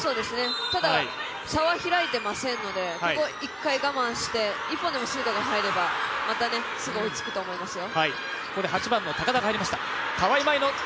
ただ、差は開いていませんので、ここは１回我慢して、１本でもシュートが入れば、またすぐ追いつくと思いますよ。